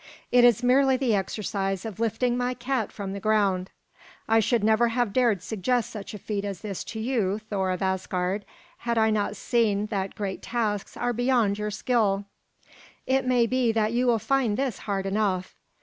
It is merely the exercise of lifting my cat from the ground. I should never have dared suggest such a feat as this to you, Thor of Asgard, had I not seen that great tasks are beyond your skill. It may be that you will find this hard enough."